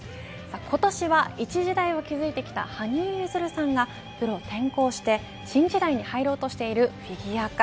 今年は一時代を築いてきた羽生結弦さんがプロ転向して新時代に入ろうとしているフィギュア界。